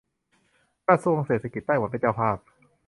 กระทรวงเศรษฐกิจไต้หวันเป็นเจ้าภาพ